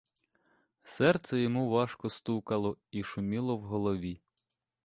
Серце йому важко стукало і шуміло в голові.